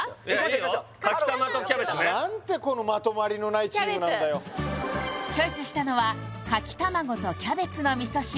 いいよかきたまとキャベツね何てまとまりのないチームなんだよチョイスしたのはかき卵とキャベツの味噌汁